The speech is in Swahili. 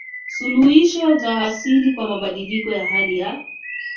Suluhisho za asili kwa mabadiliko ya hali ya